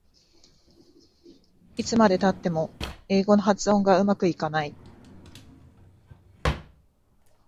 いつまでたっても英語の発音がうまくいかない